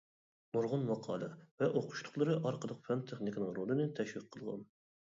نۇرغۇن ماقالە ۋە ئوقۇشلۇقلىرى ئارقىلىق پەن-تېخنىكىنىڭ رولىنى تەشۋىق قىلغان.